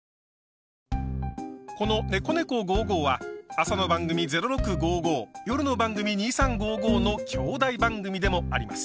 この「ねこねこ５５」は朝の番組「０６５５」夜の番組「２３５５」の兄弟番組でもあります。